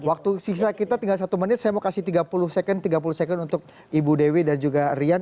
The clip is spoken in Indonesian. waktu sisa kita tinggal satu menit saya mau kasih tiga puluh second tiga puluh second untuk ibu dewi dan juga rian